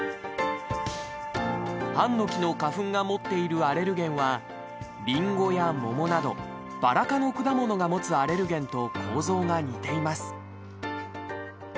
ハンノキの花粉が持っているアレルゲンは、りんごや桃などバラ科の果物が持つアレルゲンと構造が似ています。